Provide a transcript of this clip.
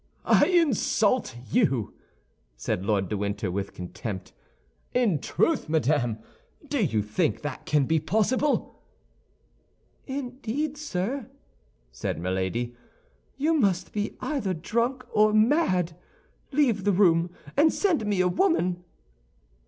"I insult you!" said Lord de Winter, with contempt. "In truth, madame, do you think that can be possible?" "Indeed, sir," said Milady, "you must be either drunk or mad. Leave the room, and send me a woman."